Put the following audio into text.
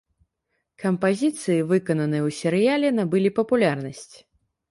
Кампазіцыі, выкананыя ў серыяле, набылі папулярнасць.